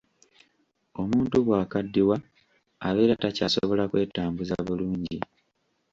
Omuntu bw'akaddiwa, abeera takyasobola kwetambuza bulungi.